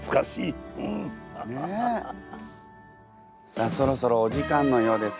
さあそろそろお時間のようです。